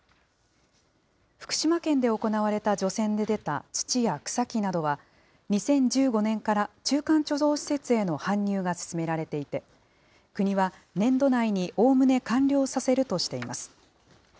福島県で行われた除染で出た土や草木などは、２０１５年から中間貯蔵施設への搬入が進められていて、国は年度内におおむね完了させるとしています。